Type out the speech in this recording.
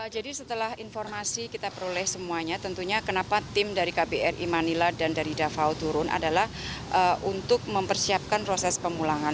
jadi setelah informasi kita peroleh semuanya tentunya kenapa tim dari kbr imanila dan dari davao turun adalah untuk mempersiapkan proses pemulangan